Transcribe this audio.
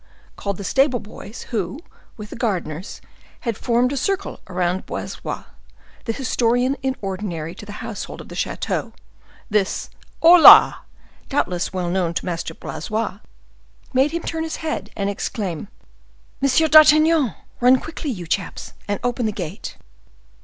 called the stable boys, who, with the gardeners, had formed a circle round Blaisois, the historian in ordinary to the household of the chateau. This "hola," doubtless well known to Master Blaisois, made him turn his head and exclaim—"Monsieur d'Artagnan! run quickly, you chaps, and open the gate."